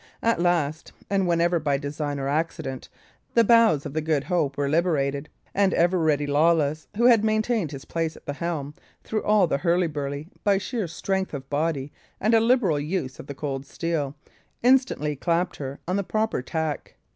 At last, and whether by design or accident, the bows of the Good Hope were liberated; and the ever ready Lawless, who had maintained his place at the helm through all the hurly burly by sheer strength of body and a liberal use of the cold steel, instantly clapped her on the proper tack.